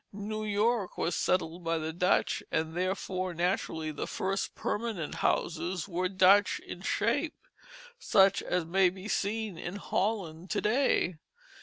New York was settled by the Dutch, and therefore naturally the first permanent houses were Dutch in shape, such as may be seen in Holland to day.